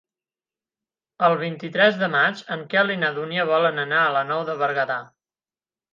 El vint-i-tres de maig en Quel i na Dúnia volen anar a la Nou de Berguedà.